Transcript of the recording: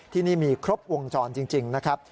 ที่นี่มีครบวงจรจริงนะครับ